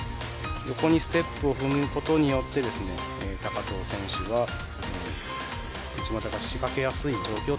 横にステップを踏むことによって高藤選手が内股が仕掛けやすい状況を